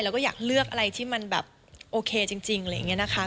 แล้วก็อยากเลือกอะไรที่มันแบบโอเคจริงอะไรอย่างนี้นะคะ